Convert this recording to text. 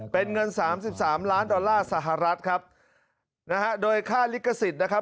เป็นเงินสามสิบสามล้านดอลลาร์สหรัฐครับนะฮะโดยค่าลิขสิทธิ์นะครับ